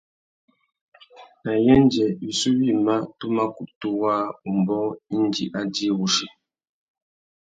Nà yêndzê wissú wïmá tu mà kutu waā umbōh indi a djï wussi.